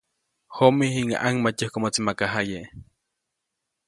Jomi, jiŋäʼ ʼaŋmatyäjkomoʼtsi maka jaye.